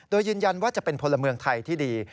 โดยยืนยันว่าจะเป็นพลเมืองไทยที่ดี